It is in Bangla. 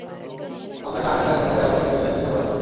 আমরা কার্নাক জাহাজে করে আবু সিম্বেলের উদ্দেশ্যে রওনা দেব।